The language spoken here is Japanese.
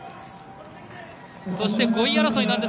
そして、５位争い。